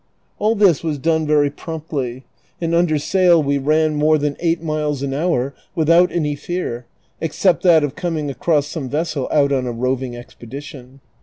All this was done very promptly, and under sail we ran more than eigjit miles an hour without any fear, except that of coming across some vessel out on a roving expedition.